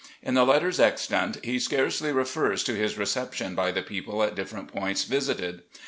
In the letters extant he scarcely refers to his reception by the people at different points visited.